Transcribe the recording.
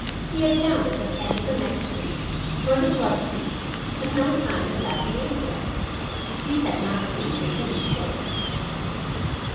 He had found it at the end of the next street, where the flood ceased, but no sign of Ladley anywhere. He had not seen the police boat.